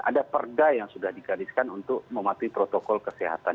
ada perda yang sudah digariskan untuk mematuhi protokol kesehatan